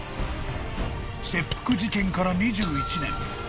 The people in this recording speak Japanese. ［切腹事件から２１年］